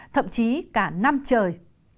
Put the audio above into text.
thậm chí cả năm trời